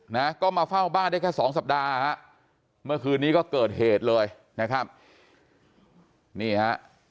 นะก็มาเฝ้าบ้านได้แค่สองสัปดาห์ฮะเมื่อคืนนี้ก็เกิดเหตุเลยนะครับนี่ฮะ